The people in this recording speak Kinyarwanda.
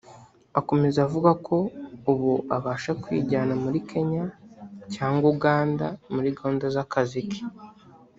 Akomeza avuga ko ubu abasha kwijyana muri Kenya cyangwa Uganda muri gahunda z’akazi ke